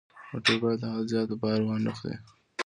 موټر باید له حد زیات بار وانه خلي.